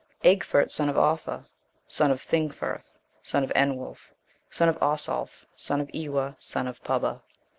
Egfert, son of Offa, son of Thingferth, son of Enwulf, son of Ossulf, son of Eawa, son of Pubba.